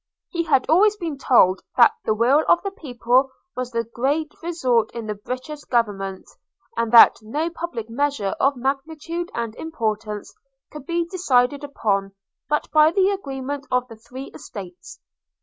He had always been told, that the will of the people was the great resort in the British Government; and that no public measure of magnitude and importance could be decided upon, but by the agreement of the Three Estates.